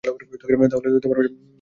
তাহলে, তোমার বেচারা বয়ফ্রেন্ডের কী হবে?